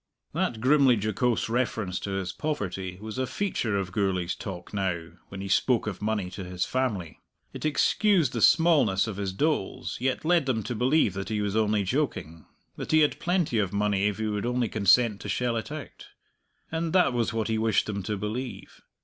That grimly jocose reference to his poverty was a feature of Gourlay's talk now, when he spoke of money to his family. It excused the smallness of his doles, yet led them to believe that he was only joking that he had plenty of money if he would only consent to shell it out. And that was what he wished them to believe.